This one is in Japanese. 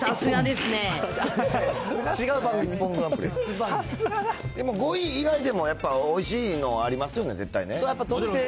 でも５位以外でもやっぱりおいしいのありますよね、絶対ね。